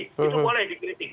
itu boleh dikritik